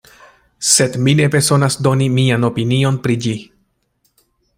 Sed mi ne bezonas doni mian opinion pri ĝi.